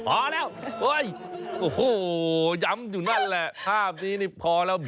โอ้โหย้ำอยู่นั่นแหละภาพนี้นี่พอแล้ว